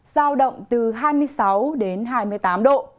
giao động từ hai mươi sáu đến hai mươi tám độ